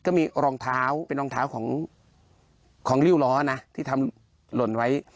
ก็มีรองเท้าเป็นรองเท้าของริ้วล้อนะที่ทำหล่นไว้